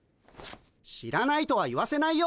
知らないとは言わせないよ。